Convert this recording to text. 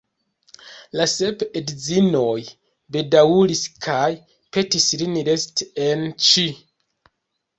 La sep edzinoj bedaŭris kaj petis lin resti en Ĉi.